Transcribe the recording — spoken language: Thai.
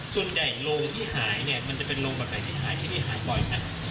โรงที่หายเนี่ยมันจะเป็นโรงแบบไหนที่หายที่นี่หายบ่อยครับ